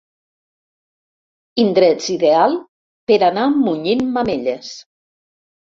Indrets ideal per anar munyint mamelles.